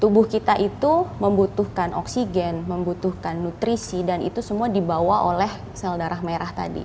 tubuh kita itu membutuhkan oksigen membutuhkan nutrisi dan itu semua dibawa oleh sel darah merah tadi